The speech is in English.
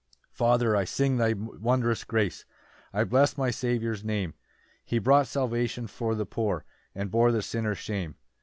1 Father, I sing thy wondrous grace, I bless my Saviour's Name, He bought salvation for the poor, And bore the sinner's shame.